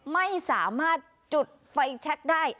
ไม่สามารถจุดไฟแชคได้